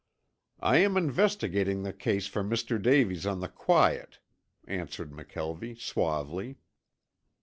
"I am investigating the case for Mr. Davies on the quiet," answered McKelvie suavely.